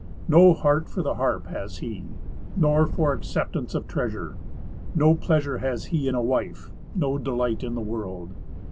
No heart for the harp has he, nor for acceptance of treasure. No pleasure has he in a wife, no delight in the world.